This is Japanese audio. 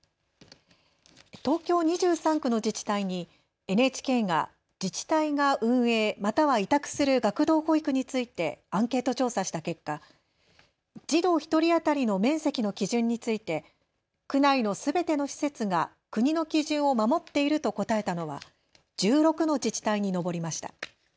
東京２３区の自治体にＮＨＫが自治体が運営、または委託する学童保育についてアンケート調査した結果、児童１人当たりの面積の基準について区内のすべての施設が国の基準を守っていると答えたのは１６の自治体に上りました。